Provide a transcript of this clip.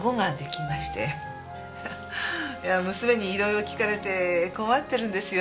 いや娘に色々聞かれて困ってるんですよ。